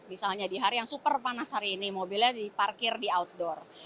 misalnya di hari yang super panas hari ini mobilnya diparkir di outdoor